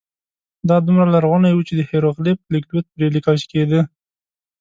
دا دومره لرغونی و چې د هېروغلیف لیکدود پرې لیکل کېده.